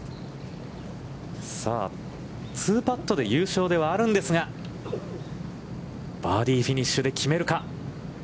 さあ、２パットで優勝ではあるんですが、バーディーフィニッシュで決めるか。